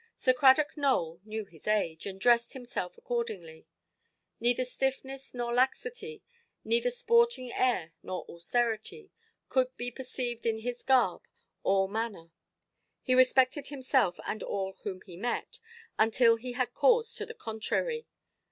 Sir Cradock Nowell knew his age, and dressed himself accordingly. Neither stiffness nor laxity, neither sporting air nor austerity, could be perceived in his garb or manner. He respected himself and all whom he met, until he had cause to the contrary.